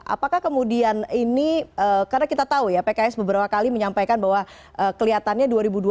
apakah kemudian ini karena kita tahu ya pks beberapa kali menyampaikan bahwa kelihatannya dua ribu dua puluh